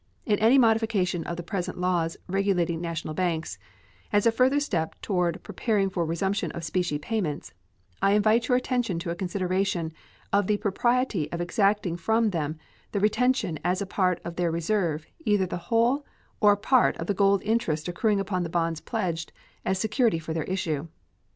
In any modification of the present laws regulating national banks, as a further step toward preparing for resumption of specie payments, I invite your attention to a consideration of the propriety of exacting from them the retention as a part of their reserve either the whole or a part of the gold interest accruing upon the bonds pledged as security for their issue.